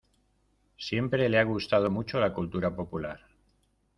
Siempre le ha gustado mucho la cultura popular.